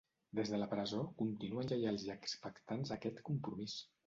Des de la presó, continuem lleials i expectants a aquest compromís.